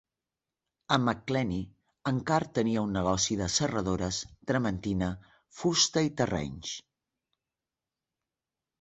A McClenny en Carr tenia un negoci de serradores, trementina, fusta i terrenys.